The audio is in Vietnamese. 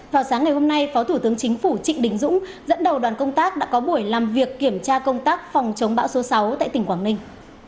vào sáng ngày hôm nay phó thủ tướng chính phủ trịnh đình dũng dẫn đầu đoàn công tác đã có buổi làm việc kiểm tra công tác phòng chống bão số sáu tại tỉnh quảng ninh